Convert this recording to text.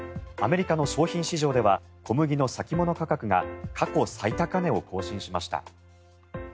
アメリカの商品市場では小麦の先物価格が過去最高値を更新しました。